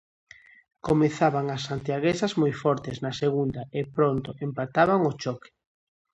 Comezaban as santiaguesas moi fortes na segunda, e pronto empataban o choque.